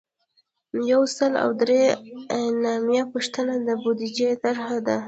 یو سل او درې اتیایمه پوښتنه د بودیجې طرحه ده.